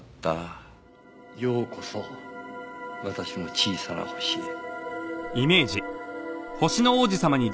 ようこそ私の小さな星へ。